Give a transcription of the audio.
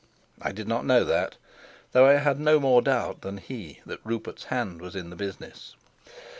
I did not know that, though I had no more doubt than he that Rupert's hand was in the business.